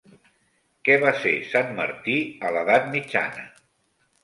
Què va ser Sant Martí a l'edat mitjana?